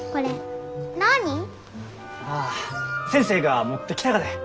あ先生が持ってきたがで。